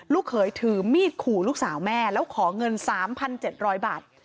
เขยถือมีดขู่ลูกสาวแม่แล้วขอเงิน๓๗๐๐บาท